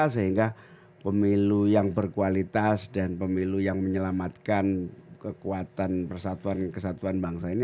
sehingga pemilu yang berkualitas dan pemilu yang menyelamatkan kekuatan persatuan kesatuan bangsa ini